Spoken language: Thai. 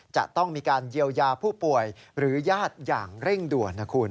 จะต้องมีการเยียวยาผู้ป่วยหรือญาติอย่างเร่งด่วนนะคุณ